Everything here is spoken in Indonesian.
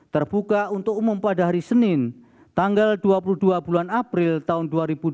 terbuka untuk umum pada hari senin tanggal dua puluh dua bulan april tahun dua ribu dua puluh